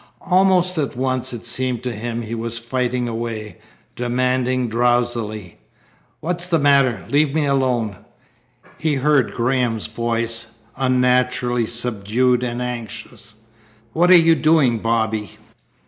Almost at once, it seemed to him, he was fighting away, demanding drowsily: "What's the matter? Leave me alone." He heard Graham's voice, unnaturally subdued and anxious. "What are you doing, Bobby?"